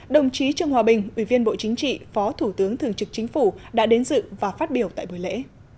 đồng chí trương hòa bình ủy viên bộ chính trị phó thủ tướng thường trực chính phủ đã đến dự và phát biểu tại buổi lễ